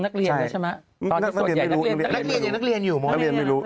นักเรียนใช่ไหมนักเรียนอยู่นักเรียนไม่รู้นักเรียนไม่รู้